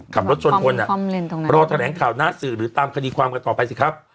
ขับรถชนคนอ่ะรอแถลงข่าวหน้าสื่อหรือตามคดีความกันต่อไปสิครับ